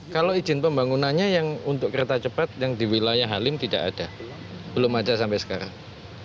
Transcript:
kalau izin pembangunannya yang untuk kereta cepat yang di wilayah halim tidak ada belum ada sampai sekarang